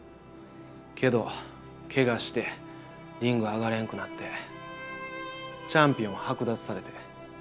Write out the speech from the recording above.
けどけがしてリング上がれんくなってチャンピオン剥奪されて。